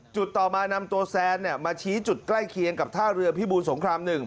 ต่อมานำตัวแซนมาชี้จุดใกล้เคียงกับท่าเรือพิบูรสงคราม๑